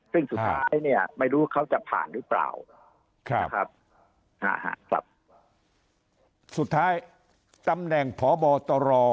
ซึ่งสุดท้ายเนี่ยไม่รู้เขาจะผ่านหรือเปล่านะครับสุดท้ายตำแหน่งพบตร